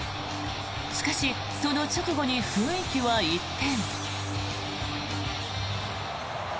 しかし、その直後に雰囲気は一変。